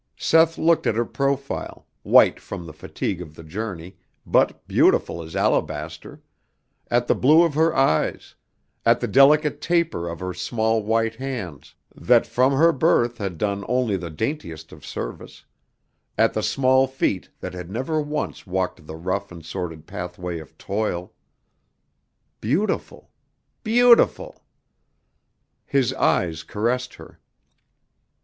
Seth looked at her profile, white from the fatigue of the journey, but beautiful as alabaster; at the blue of her eyes; at the delicate taper of her small white hands that from her birth had done only the daintiest of service; at the small feet that had never once walked the rough and sordid pathway of toil. Beautiful! Beautiful! His eyes caressed her.